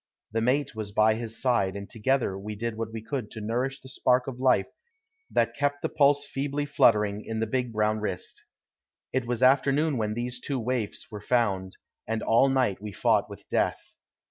The mate was by his side, and together we did what we could to nourish the spark of life that kept the pulse feebly fluttering in the big brown wrist. It was afternoon when these two waifs were found, and all night we fought with death.